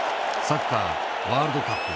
サッカーワールドカップ。